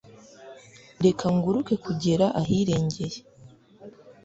reka nguruke kugera ahirengeye